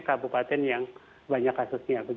kabupaten yang banyak kasusnya